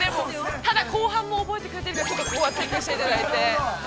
◆ただ、後半も覚えてくれているかチェックしていただいて。